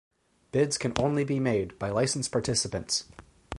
Bids can only be made by licensed participants.